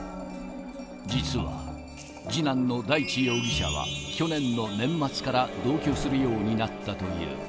実は、次男の大地容疑者は去年の年末から同居するようになったという。